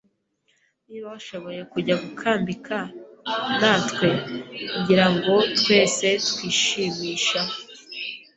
Niba washoboye kujya gukambika natwe, ngira ngo twese twishimisha.